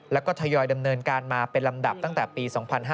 แล้วก็ทยอยดำเนินการมาเป็นลำดับตั้งแต่ปี๒๕๕๙